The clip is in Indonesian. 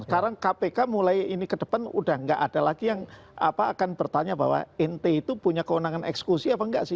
sekarang kpk mulai ini ke depan udah nggak ada lagi yang akan bertanya bahwa nt itu punya kewenangan eksekusi apa enggak sih